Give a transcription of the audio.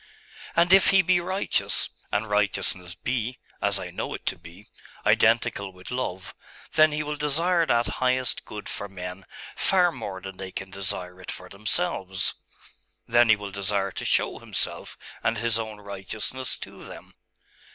'And if He be righteous, and righteousness be as I know it to be identical with love, then He will desire that highest good for men far more than they can desire it for themselves.... Then He will desire to show Himself and His own righteousness to them....